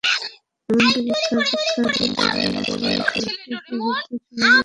এমনকি বিখ্যাত টাইটানিক ছবিতে রোজ চরিত্রটির বৃদ্ধ চেহারার বিশেষ সজ্জাও তাঁর করা।